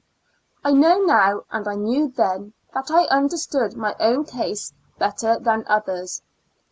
I know now, and I knew then, that I understood my own case better than others.